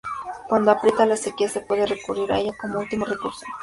Cuando aprieta la sequía se puede recurrir a ella como último recurso.